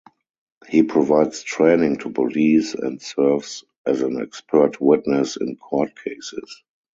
He provides training to police and serves as an expert witness in court cases.